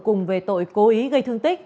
cùng về tội cố ý gây thương tích